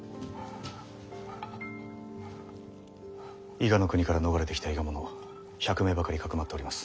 伊賀国から逃れてきた伊賀者１００名ばかりかくまっております。